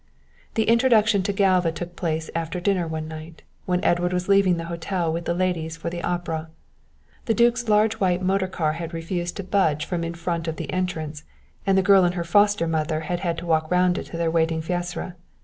The introduction to Galva took place after dinner one night, when Edward was leaving the hotel with the ladies for the opera. The duke's large white motor car had refused to budge from in front of the entrance, and the girl and her foster mother had had to walk round it to their waiting fiacre.